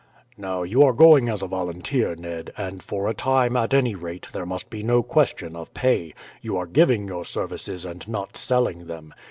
"Now, you are going as a volunteer, Ned, and for a time, at any rate, there must be no question of pay; you are giving your services and not selling them.